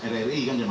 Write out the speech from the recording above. rri kan jam dua belas